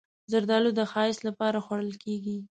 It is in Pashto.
زردالو د ښایست لپاره خوړل کېږي.